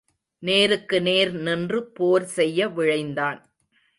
நேருக்கு நேர் நின்று போர் செய்ய விழைந்தான்.